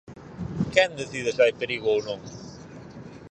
Quen decide se hai perigo ou non?